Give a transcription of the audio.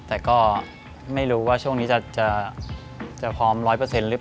แต่ก็ไม่รู้ว่าช่วงนี้จะพร้อม๑๐๐หรือเปล่า